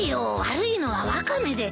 悪いのはワカメで。